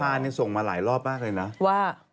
พ่านี่ส่งมาหลายรอบมากเลยนะ